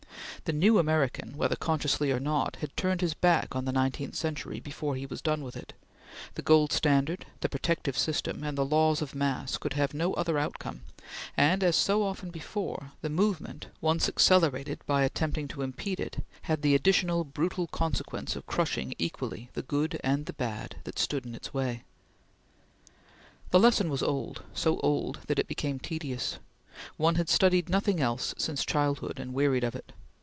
The new American, whether consciously or not, had turned his back on the nineteenth century before he was done with it; the gold standard, the protective system, and the laws of mass could have no other outcome, and, as so often before, the movement, once accelerated by attempting to impede it, had the additional, brutal consequence of crushing equally the good and the bad that stood in its way. The lesson was old so old that it became tedious. One had studied nothing else since childhood, and wearied of it.